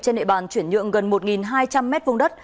trên nệ bàn chuyển nhượng gần một hai trăm linh m vùng đất